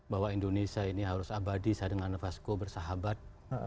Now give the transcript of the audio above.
bahwa indonesia ini harus abadi sadengan nafasko bersahabat